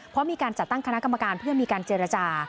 เพราะมีการจัดตั้งคณะกรรมการเพื่อมีการเจรจา